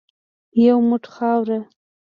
یو موټ خاوره .